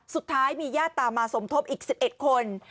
สุดท้ายมีญาติตามมาสมทบอีก๑๑คน